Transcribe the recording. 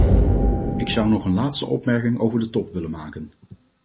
Ik zou nog een laatste opmerking over de top willen maken.